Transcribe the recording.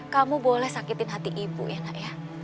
kamu boleh sakitin hati ibu ya nak ya